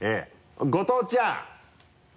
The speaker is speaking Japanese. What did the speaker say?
後藤ちゃん！